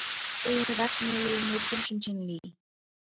Тый адак неле улметым шинчен лий...